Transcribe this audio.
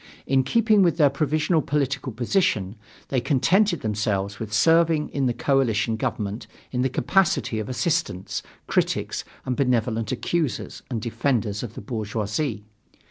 In keeping with their provisional political position, they contented themselves with serving in the coalition government in the capacity of assistants, critics, and benevolent accusers and defenders of the bourgeoisie.